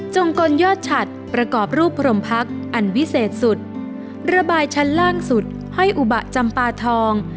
กลยอดฉัดประกอบรูปพรมพักอันวิเศษสุดระบายชั้นล่างสุดห้อยอุบะจำปาทอง